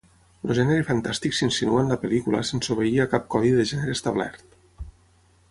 El gènere fantàstic s'insinua en la pel·lícula sense obeir a cap codi de gènere establert.